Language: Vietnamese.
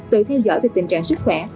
tự theo dõi về tình trạng sức khỏe